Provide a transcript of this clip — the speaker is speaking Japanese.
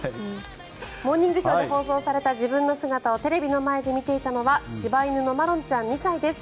「モーニングショー」で放送された自分の姿をテレビの前で見ていたのは柴犬のまろんちゃん、２歳です。